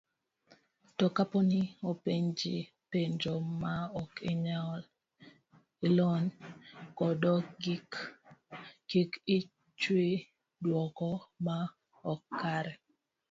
To kaponi openji penjo ma ok ilony godo, kik ichiw duoko ma ok kare.